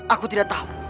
aku tidak tahu